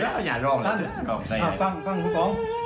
ต่อไปก่อน